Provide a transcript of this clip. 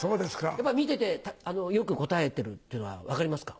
やっぱり見ててよく答えてるっていうのは分かりますか？